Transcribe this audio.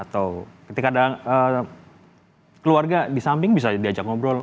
atau ketika ada keluarga di samping bisa diajak ngobrol